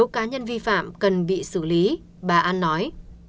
cần bị xử lý bà an nói